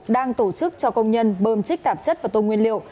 đang tổ chức cho công nhân bơm chích tạp chất và tôm nguyên liệu